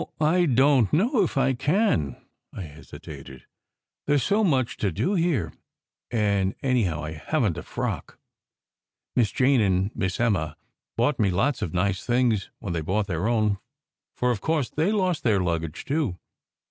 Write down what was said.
"Oh, I don t know if I can!" I hesitated. "There s so much to do here, and, anyhow, I haven t a frock. Miss Jane and Miss Emma bought me lots of nice things when they bought their own, for, of course, they lost their lug gage, too.